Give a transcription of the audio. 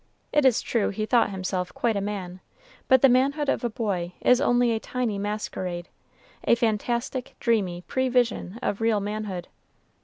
It is true he thought himself quite a man, but the manhood of a boy is only a tiny masquerade, a fantastic, dreamy prevision of real manhood.